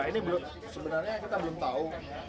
ini sebenarnya kita belum tahu